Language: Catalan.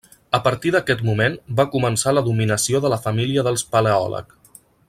A partir d'aquest moment va començar la dominació de la família dels Paleòleg.